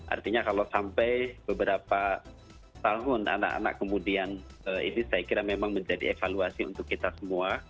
artinya kalau sampai beberapa tahun anak anak kemudian ini saya kira memang menjadi evaluasi untuk kita semua